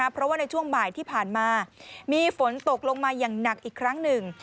เพราะว่าในช่วงบ่ายที่ผ่านมามีฝนตกลงมาอย่างหนักอีกครั้งหนึ่ง